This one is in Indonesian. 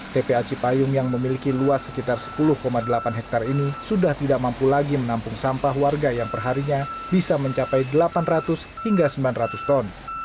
tpa cipayung yang memiliki luas sekitar sepuluh delapan hektare ini sudah tidak mampu lagi menampung sampah warga yang perharinya bisa mencapai delapan ratus hingga sembilan ratus ton